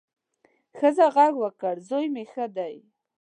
ښځه غږ وکړ، زوی مې ښه دی.